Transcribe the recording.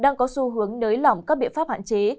đang có xu hướng nới lỏng các biện pháp hạn chế